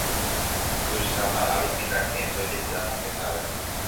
tuicháma árupi la hente ojepy'amongetave